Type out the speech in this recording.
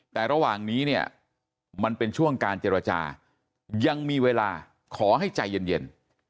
แต่ระหว่างนี้เนี่ยมันเป็นช่วงการเจรจายังมีเวลาขอให้ใจเย็น